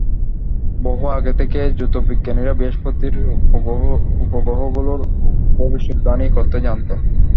বহু আগে থেকেই জ্যোতির্বিজ্ঞানীরা বৃহঃস্পতির উপগ্রহগুলোর ভবিষদ্বাণী করতে জানতেন।